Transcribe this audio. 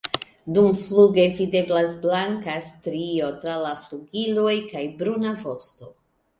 Dumfluge videblas blanka strio tra la flugiloj kaj bruna vosto.